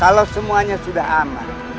kalau semuanya sudah aman